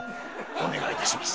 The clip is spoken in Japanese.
お願いいたします。